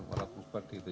walaupun seperti itu